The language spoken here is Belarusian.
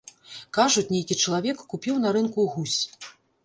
Кажуць, нейкі чалавек купіў на рынку гусь.